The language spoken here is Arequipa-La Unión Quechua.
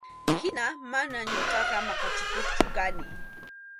Hina mana ñuqaqa maqachikuqchu kani.